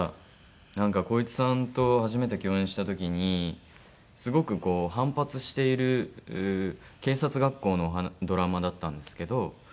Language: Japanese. なんか浩市さんと初めて共演した時にすごくこう反発している警察学校のドラマだったんですけど。